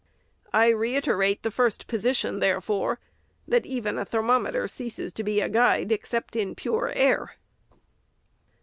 I reiterate the first position, therefore, that even a ther mometer ceases to be a guide, except in pure air.